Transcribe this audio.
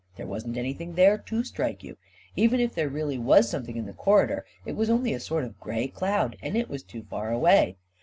There wasn't anything there to strike you 1 Even if there really was something in the corridor, it was only a sort of gray cloud — and it was too far away